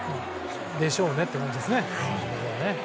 でしょうねって感じですね。